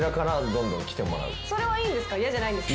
それはいいんですか？